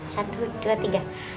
satu dua tiga